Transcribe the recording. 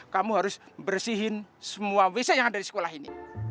kamu harus bersihin semua wc yang ada di sekolah ini